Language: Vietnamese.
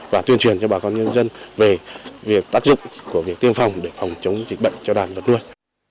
và tuyên truyền cho bà con nhân dân về việc tác dụng của việc tiêm phòng để phòng chống dịch bệnh cho đàn vật nuôi